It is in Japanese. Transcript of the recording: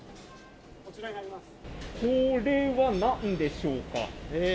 これはなんでしょうか。